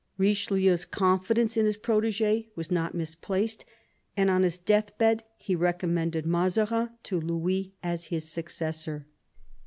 Richelieu's confidence in his protege was not misplaced, and on his death bed he recommended Mazarin to Louis as his successor.